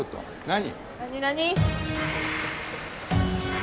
何？